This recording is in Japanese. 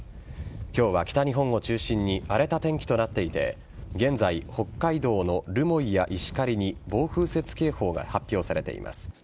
今日は北日本を中心に荒れた天気となっていて現在、北海道の留萌や石狩に暴風雪警報が発表されています。